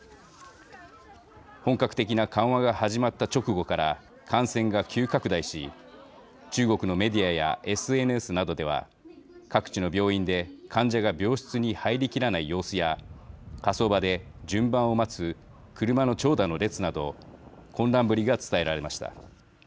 本格的な緩和が始まった直後から感染が急拡大し中国のメディアやＳＮＳなどでは各地の病院で患者が病室に入りきらない様子や火葬場で順番を待つ車の長蛇の列など、混乱ぶりが伝えられました。